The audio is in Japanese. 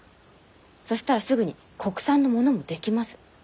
そしたらすぐに国産のものも出来ます。